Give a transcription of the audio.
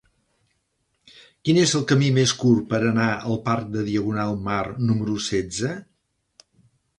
Quin és el camí més curt per anar al parc de Diagonal Mar número setze?